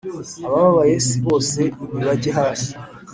abababaye si bose nibajye hasi